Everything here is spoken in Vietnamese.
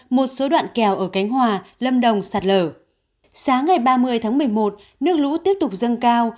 một số đoạn kèo ở cánh hòa lâm đồng sạt lở sáng ngày ba mươi tháng một mươi một nước lũ tiếp tục dâng cao